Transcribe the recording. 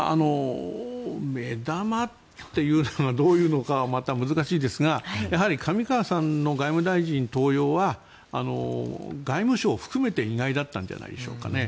目玉というのがどういうのかまた難しいですがやはり上川さんの外務大臣登用は外務省含めて意外だったんじゃないでしょうかね。